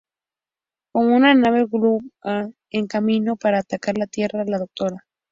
Con una nave Goa'uld en camino para atacar la Tierra, la Dra.